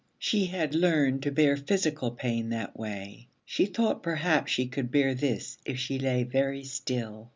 She had learned to bear physical pain that way. She thought perhaps she could bear this if she lay very still.